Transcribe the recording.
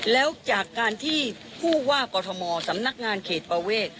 แล้วจากการที่ผู้ว่ากอทมสำนักงานเขตประเวท